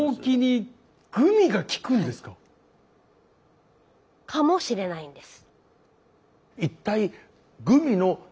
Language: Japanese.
かもしれないんです。